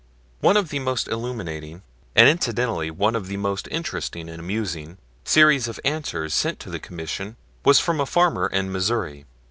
One of the most illuminating and incidentally one of the most interesting and amusing series of answers sent to the Commission was from a farmer in Missouri.